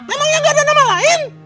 emangnya tidak ada nama lain